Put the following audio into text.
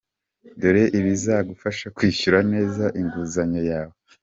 Dore ibizagufasha kwishyura neza inguzanyo yawe.